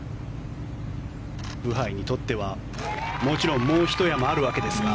ブハイにとってはもちろんもうひと山あるわけですが。